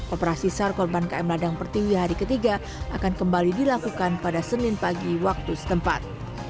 operasi sar korban km ladang pertiwi hari ketiga akan kembali dilakukan pada senin pagi waktu setempat